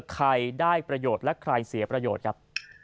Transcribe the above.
ใครได้ประโยชน์และใครเสียประโยชน์ครับ